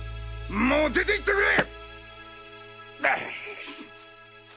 もう出て行ってくれ！！